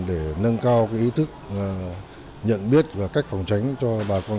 để nâng cao ý thức nhận biết và cách phòng tránh cho bà con